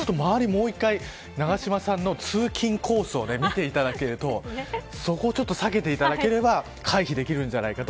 もう１回永島さんの通勤コースを見ていただけるとそこを避けていただければ回避できるんじゃないか